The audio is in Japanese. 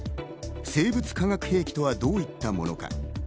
生物・化学兵器とはどういったものか。